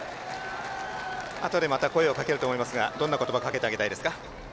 あとでまた声をかけると思いますがどんな言葉をかけてあげたいですか？